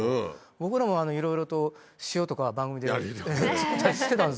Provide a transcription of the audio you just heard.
僕らもいろいろと塩とか番組で作ったりしてたんですよ。